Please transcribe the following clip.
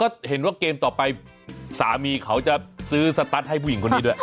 ก็เห็นว่าเกมต่อไปสามีเขาจะซื้อสตัสให้ผู้หญิงคนนี้ด้วย